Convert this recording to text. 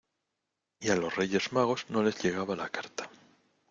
y a los Reyes Magos no les llegaba la carta.